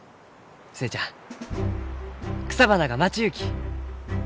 寿恵ちゃん草花が待ちゆうき！